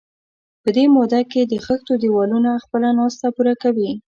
په دې موده کې د خښتو دېوالونه خپله ناسته پوره کوي.